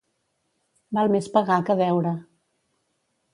Val més pagar que deure.